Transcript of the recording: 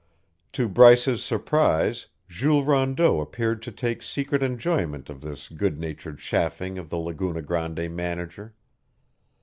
To Bryce's surprise Jules Rondeau appeared to take secret enjoyment of this good natured chaffing of the Laguna Grande manager.